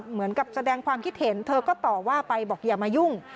เหมือนกับแสดงความคิดเห็นเธอก็ต่อว่าไปบอกอย่ามายุ่ง